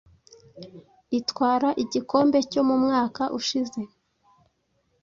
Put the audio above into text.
itwara igikombe cyo mu mwaka ushize